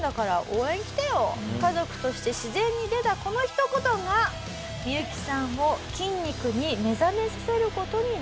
家族として自然に出たこのひと言がミユキさんを筋肉に目覚めさせる事になってしまうんです。